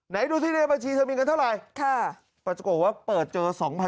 ไหนดูที่ในบัญชีเธอมีเงินเท่าไรกูบอกว่าเปิดเจอ๒๐๐๓